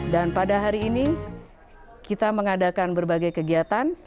dan pada hari ini kita mengadakan berbagai kegiatan